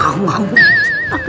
walaupun golongan suami istri beda